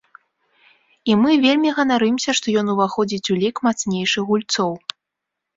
І мы вельмі ганарымся, што ён уваходзіць у лік мацнейшых гульцоў.